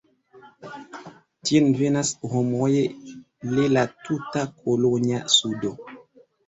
Tien venas homoje le la tuta kolonja sudo.